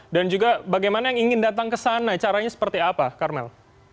dan juga bagaimana yang ingin datang ke sana caranya seperti apa karmel